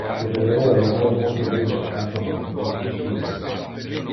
Tu deberea leger multe libros tanto longe que tu es juvene.